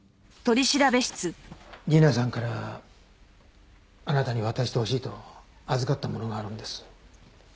理奈さんからあなたに渡してほしいと預かったものがあるんです。